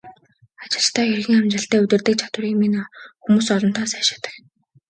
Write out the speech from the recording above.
Ажилчдаа хэрхэн амжилттай удирддаг чадварыг минь хүмүүс олонтаа сайшаадаг.